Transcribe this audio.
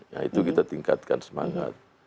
nah itu kita tingkatkan semangat